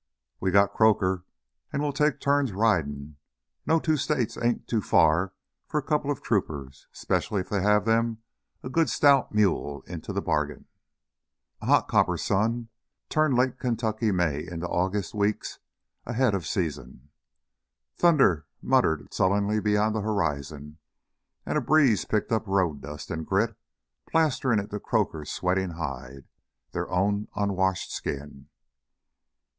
"We got Croaker, and we'll take turns ridin'. No, two states ain't too far for a couple of troopers, specially if they have them a good stout mule into the bargain!" A hot copper sun turned late Kentucky May into August weeks ahead of season. Thunder muttered sullenly beyond the horizon. And a breeze picked up road dust and grit, plastering it to Croaker's sweating hide, their own unwashed skin.